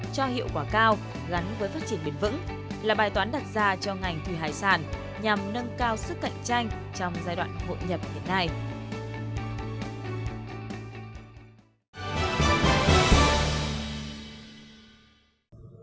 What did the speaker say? cho hiệu quả cao gắn với phát triển bền vững là bài toán đặt ra cho ngành thủy hải sản nhằm nâng cao sức cạnh tranh trong giai đoạn hội nhập hiện nay